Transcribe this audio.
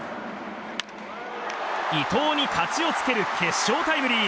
伊藤に勝ちをつける決勝タイムリー。